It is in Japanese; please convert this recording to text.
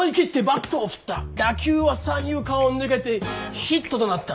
打球は三遊間を抜けてヒットとなった。